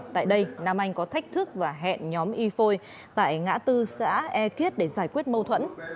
tại đây nam anh có thách thức và hẹn nhóm y phôi tại ngã tư xã e kiết để giải quyết mâu thuẫn